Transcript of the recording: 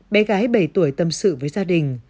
bé gái bảy tuổi tâm sự với gia đình